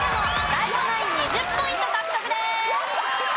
ＤＡＩＧＯナイン２０ポイント獲得です。